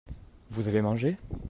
Vous avez mangé ?